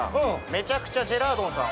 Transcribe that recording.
めちゃくちゃジェラードンさん